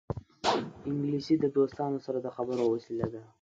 انګلیسي د دوستانو سره د خبرو وسیله ده